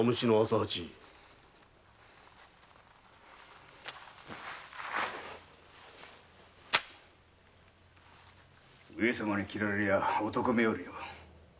八上様に斬られりゃ男みょうりよ。